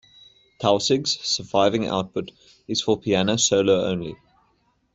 Tausig's surviving output is for piano solo only.